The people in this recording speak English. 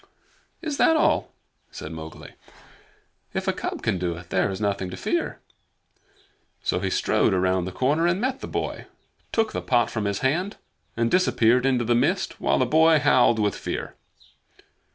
"Is that all?" said Mowgli. "If a cub can do it, there is nothing to fear." So he strode round the corner and met the boy, took the pot from his hand, and disappeared into the mist while the boy howled with fear.